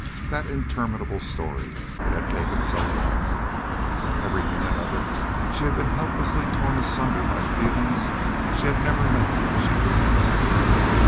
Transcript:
That interminable story! It had taken so long. And every minute of it she had been helplessly torn asunder by feelings she had never known she possessed.